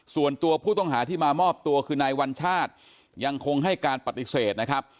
ส่วนตัวผู้ต้องหาที่มามอบตัวคือนายวัญชาติยังคงให้การปฏิเสธนะครับ